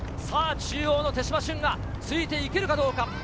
さぁ、中央・手島駿がついていけるかどうか。